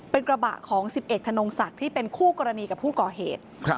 เป็นกระบะของ๑๑ธนงศักดิ์ที่เป็นคู่กรณีกับผู้ก่อเหตุ